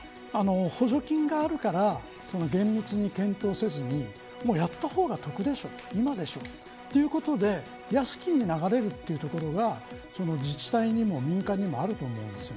補助金があるから厳密に検討せずにやったほうが得でしょ今でしょということで易きに流れるというところが自治体にも民間にもあると思うんです。